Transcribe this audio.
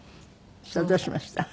そしたらどうしました？